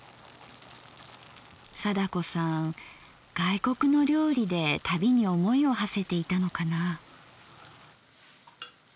貞子さん外国の料理で旅に思いをはせていたのかなぁ。